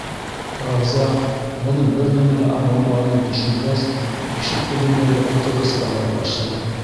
Рауза, бының бер нәмә лә аңламағанын төшөнгәс, ишек төбөндәге ултырғысҡа ялпашты.